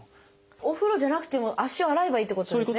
お風呂じゃなくても足を洗えばいいってことですね